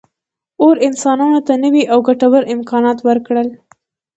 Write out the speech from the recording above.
اور انسانانو ته نوي او ګټور امکانات ورکړل.